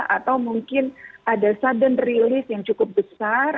atau mungkin ada sudden release yang cukup besar